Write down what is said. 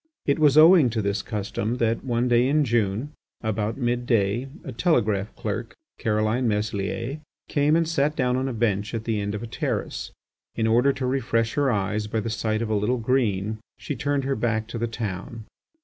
It was owing to this custom that, one day in June, about mid day, a telegraph clerk, Caroline Meslier, came and sat down on a bench at the end of a terrace. In order to refresh her eyes by the sight of a little green, she turned her back to the town.